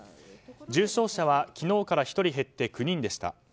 重症者は昨日から１人減って９人でした。